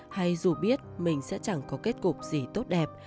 hay dù biết mình sẽ chẳng có kết cục gì tốt đẹp